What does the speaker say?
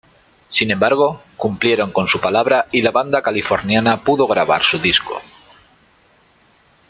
Sin embargo, cumplieron con su palabra y la banda californiana pudo grabar su disco.